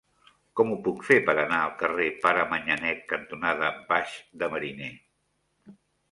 Com ho puc fer per anar al carrer Pare Manyanet cantonada Baix de Mariner?